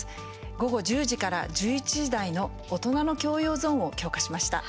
午後１０時から１１時台の大人の教養ゾーンを強化しました。